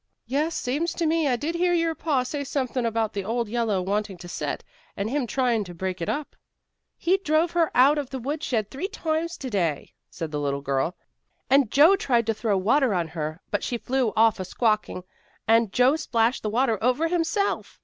"Yes, seems to me I did hear your pa say something about the old yellow wanting to set, and him trying to break it up." "He drove her out of the woodshed three times yesterday," said the little girl. "And Joe tried to throw water on her, but she flew off a squawking and Joe splashed the water over himself."